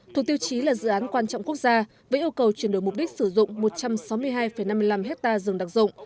thuộc tiêu chí là dự án quan trọng quốc gia với yêu cầu chuyển đổi mục đích sử dụng một trăm sáu mươi hai năm mươi năm hectare rừng đặc dụng